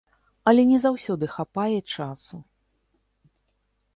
Але не заўсёды хапае часу.